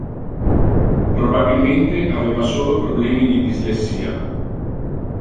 Probabilmente aveva solo problemi di dislessia.